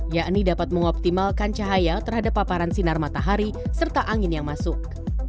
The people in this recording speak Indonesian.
yakni dapat mengoptimalkan cahaya terhadap paparan sinar matahari serta angin yang masuk